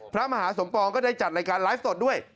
พระมหาสมปองก็ได้จัดรายการไลฟ์สดด้วย